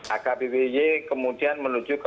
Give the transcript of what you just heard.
akbpj kemudian menuju ke